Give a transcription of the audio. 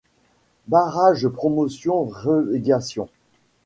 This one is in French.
Barrage promotion-relégation.